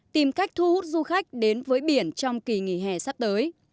tìm cách thu hút du khách đến với biển trong kỳ nghỉ hè sắp tới